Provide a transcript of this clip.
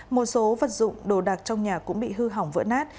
một số vật dụng đồ đạc trong nhà cũng bị hư hỏng vỡ nát